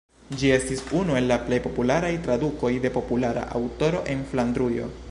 Ĝi estis unu el la plej popularaj tradukoj de populara aŭtoro en Flandrujo.